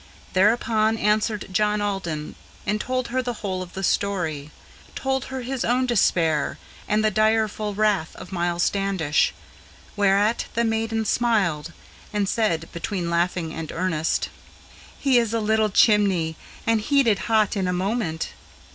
Thereupon answered John Alden, and told her the whole of the story, Told her his own despair, and the direful wrath of Miles Standish. Whereat the maiden smiled, and said between laughing and earnest, "He is a little chimney, and heated hot in a moment!"